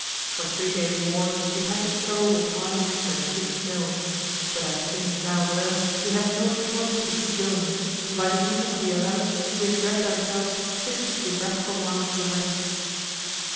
For three days more we had to struggle with high wind and thick snow, but as things now were, we had no choice but to keep going, and by the evening of the 11th we had dragged ourselves fifty geographical miles to the west.